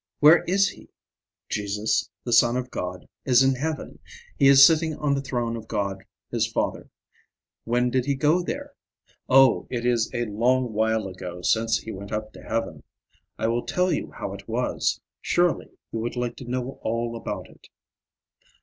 Where is he? Jesus, the Son of God, is in heaven; he is sitting on the throne of God his Father. When did he go there? Oh, it is a long while ago since he went up to heaven. I will tell you how it was. Surely you would like to know all about it.